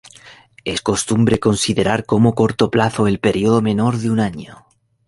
Es costumbre considerar como corto plazo el período menor de un año.